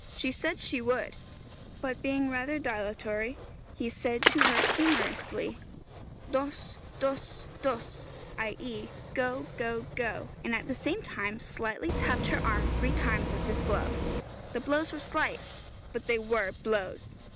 She said she would, but being rather dilatory, he said to her humorously 'Dôs, dôs, dôs,' i.e., 'Go, go, go,' and at the same time slightly tapped her arm three times with his glove.... The blows were slight but they were blows.